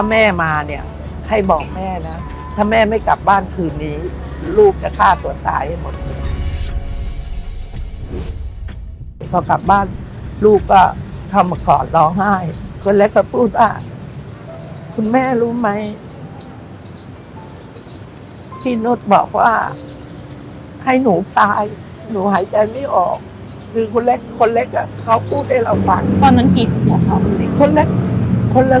แม่มาเนี่ยให้บอกแม่นะถ้าแม่ไม่กลับบ้านคืนนี้ลูกจะฆ่าตัวตายให้หมดเลยพอกลับบ้านลูกก็เข้ามากอดร้องไห้คนเล็กก็พูดว่าคุณแม่รู้ไหมที่นุษย์บอกว่าให้หนูตายหนูหายใจไม่ออกคือคนเล็กคนเล็กอ่ะเขาพูดให้เราฟังตอนนั้นกินหมด